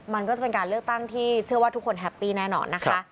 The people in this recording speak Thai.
มันก็จะเป็นการเลือกตั้งที่เชื่อว่าทุกคนแฮปปี้แน่นอนนะคะ